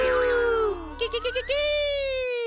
ケケケケケケ！